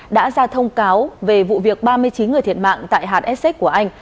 đã ra thông cáo về vụ việc ba mươi chín người thiệt mạng tại hạt essex của anh